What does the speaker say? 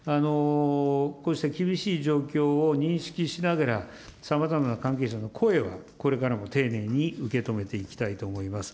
こうした厳しい状況を認識しながら、さまざまな関係者の声を、これからも丁寧に受け止めていきたいと思います。